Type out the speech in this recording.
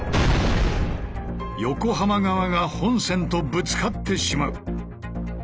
横浜側が本線とぶつかってしまう。